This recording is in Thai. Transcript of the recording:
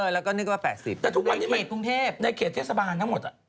แล้วก็นึกว่า๘๐กิโลเมตรในเขตเทศบาลทั้งหมด